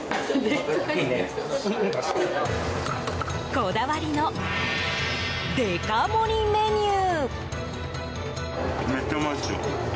こだわりのデカ盛りメニュー。